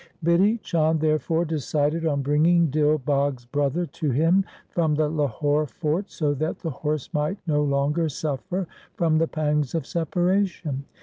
Bidhi Chand therefore decided on bringing Dil Bagh's brother to him from the Lahore fort, so that the horse might no longer suffer from the pangs of separation.